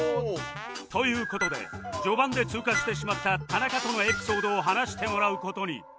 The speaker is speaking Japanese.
という事で序盤で通過してしまった田中とのエピソードを話してもらう事に